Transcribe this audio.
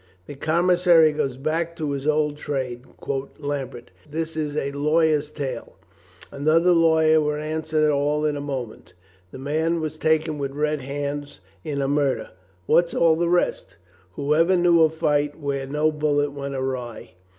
"The commissary goes back to his old trade," quoth Lambert. "This is a lawyer's tale. Another lawyer would answer it all in a moment. The man was taken with red hands in a murder. What's all the rest? Whoever knew a fight where no bullet went awry?